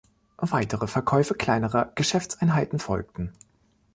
Weitere Verkäufe kleinerer Geschäftseinheiten folgten.